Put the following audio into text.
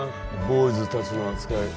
ボーイズたちの扱い